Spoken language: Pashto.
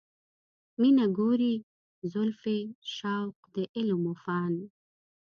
مینه، ګورې زلفې، شوق د علم و فن